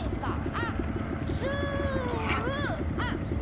あっつる！